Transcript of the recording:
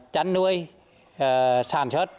chắn nuôi sản xuất